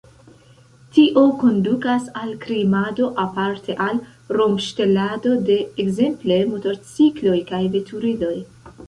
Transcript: Tio kondukas al krimado, aparte al rompŝtelado de ekzemple motorcikloj kaj veturiloj.